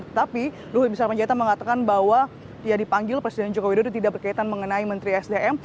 tetapi luhut bin sarpanjaitan mengatakan bahwa ia dipanggil presiden joko widodo tidak berkaitan mengenai menteri sdm